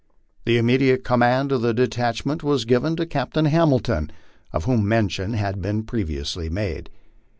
The immediate command of the detachment was given to Captain Hamil jon, of whom mention has been previously made.